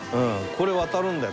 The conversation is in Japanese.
これ渡るんだよ